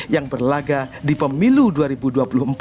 yang berlaga di pemilu dinasti